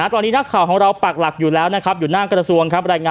ตอนนี้นักข่าวของเราปักหลักอยู่แล้วนะครับอยู่หน้ากระทรวงครับ